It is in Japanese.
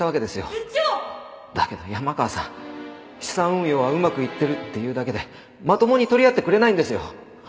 だけど山川さん資産運用はうまくいってるって言うだけでまともに取り合ってくれないんですよ。